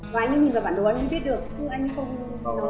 và anh ấy nhìn vào bản đồ anh ấy biết được chứ anh ấy không nói không biết được